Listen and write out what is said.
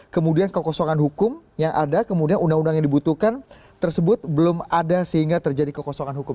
kemudian kekosongan hukum yang ada kemudian undang undang yang dibutuhkan tersebut belum ada sehingga terjadi kekosongan hukum